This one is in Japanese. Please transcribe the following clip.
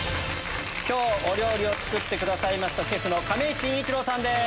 今日お料理を作ってくださいましたシェフの亀井真一郎さんです。